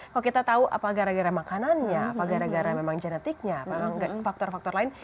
kalau kita tahu apa gara gara makanannya apa gara gara memang genetiknya apa faktor faktor lain